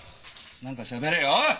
何かしゃべれよおい！